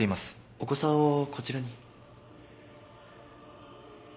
お子さんをこちらに。